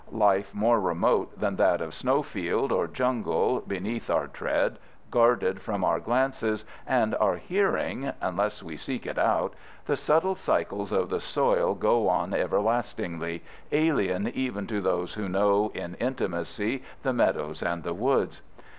Life more remote than that of snowfield or jungle, beneath our tread, guarded from our glances and our hearing unless we seek it out, the subtle cycles of the soil go on everlastingly, alien even to those who know in intimacy the meadows and the woods.